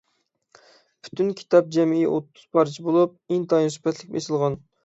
پۈتۈن كىتاب جەمئىي ئوتتۇز پارچە بولۇپ، ئىنتايىن سۈپەتلىك بېسىلغان.